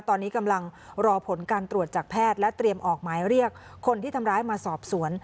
ตอนนี้กำลังรอผลการตรวจจากแพทย์และเตรียมออกหมายเรียกคนที่ทำร้ายมาสอบสวน